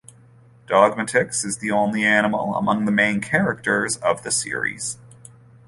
Dogmatix is the only animal among the main characters of the series.